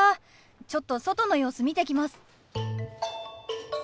ちょっと外の様子見てきます。